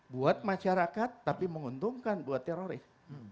buat masyarakat tapi menguntungkan buat teroris